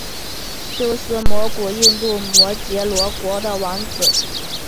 修私摩古印度摩揭陀国的王子。